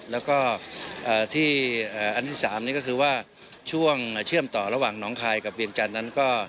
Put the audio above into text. แล้วก็ที่อันที่๓นี่ก็คือว่าช่วงเชื่อมต่อระหว่างน้องคายกับเวียงจันทร์นั้นก็